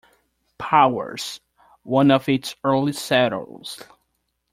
Powers, one of its early settlers.